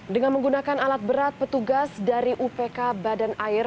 dengan menggunakan alat berat petugas dari upk badan air